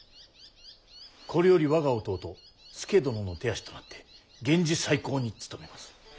これより我が弟佐殿の手足となって源氏再興に努めまする。